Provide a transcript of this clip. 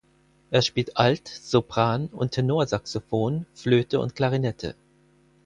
Er spielt Alt-, Sopran- und Tenorsaxophon, Flöte und Klarinette.